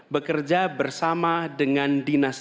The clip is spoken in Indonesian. bekerja bersama dengan dinas